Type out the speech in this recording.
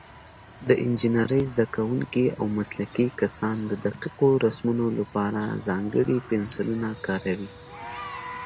د انجینرۍ زده کوونکي او مسلکي کسان د دقیقو رسمونو لپاره ځانګړي پنسلونه کاروي.